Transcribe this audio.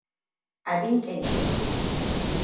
Abin kyankyami.